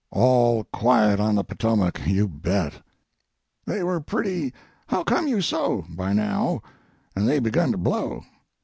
All quiet on the Potomac, you bet! "They were pretty how come you so by now, and they begun to blow.